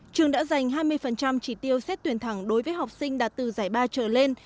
trường đã giành hai mươi chỉ tiêu xét tuyển thẳng đối với học sinh đạt từ giải ba trở lên